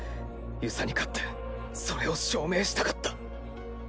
遊佐に勝ってそれを証明したかった。